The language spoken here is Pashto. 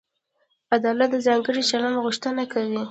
عدالت د ځانګړي چلند غوښتنه کوي.